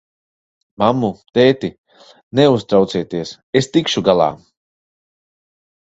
Mammu, tēti, neuztraucieties, es tikšu galā!